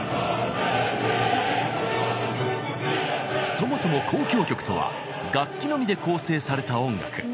そもそも交響曲とは楽器のみで構成された音楽。